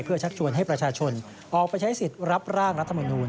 ชักชวนให้ประชาชนออกไปใช้สิทธิ์รับร่างรัฐมนูล